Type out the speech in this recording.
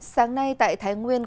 sáng nay tại thái nguyên